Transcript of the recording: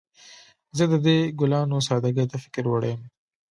زه د دې ګلانو سادګۍ ته فکر وړی یم